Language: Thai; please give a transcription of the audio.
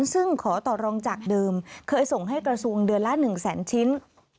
ซึ่งขอต่อรองจากเดิมเคยส่งให้กระทรวงเดือนละ๑แสนชิ้น